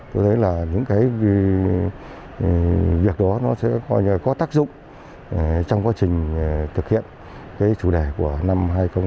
tôi thấy là những cái việc đó nó sẽ có tác dụng trong quá trình thực hiện cái chủ đề của năm hai nghìn hai mươi